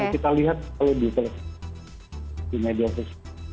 yang kita lihat kalau di media sosial